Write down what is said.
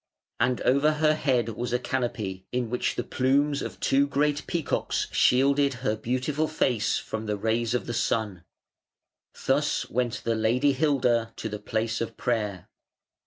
And over her head was a canopy, in which the plumes of two great peacocks shielded her beautiful face from the rays of the sun. Thus went the Lady Hilda to the place of prayer.